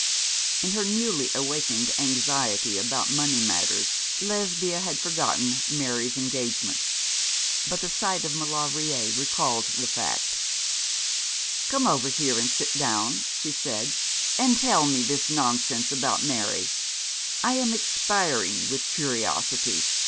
In her newly awakened anxiety about money matters, Lesbia had forgotten Mary's engagement: but the sight of Maulevrier recalled the fact. 'Come over here and sit down,' she said, 'and tell me this nonsense about Mary. I am expiring with curiosity.